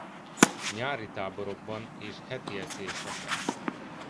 Nyári táborokban és heti edzéseken.